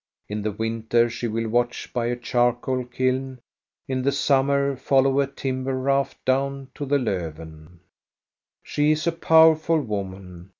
In the winter she will watch by a charcoal kiln, tn the summer follow a timber raft down to the LCfven. She is 3 powerful woman.